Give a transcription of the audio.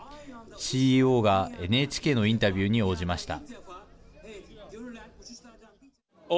ＣＥＯがＮＨＫのインタビューに応じました。